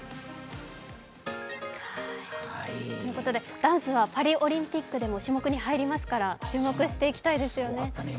ダンスはパリオリンピックでも種目に入りますから、注目していきたいですよね。